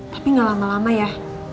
tapi gak lama lama ya